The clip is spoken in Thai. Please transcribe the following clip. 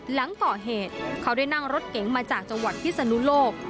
หลังก่อเหตุเขาได้นั่งรถเก๋งมาจากจังหวัดพิศนุโลก